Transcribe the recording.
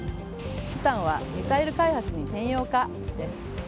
資産はミサイル開発に転用かです。